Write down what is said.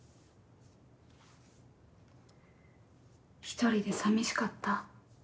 一人でさみしかった？